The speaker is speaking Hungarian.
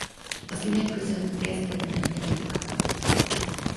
A színek között kezdetben ritka volt.